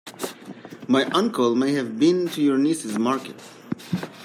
My uncle may have been to your niece's market.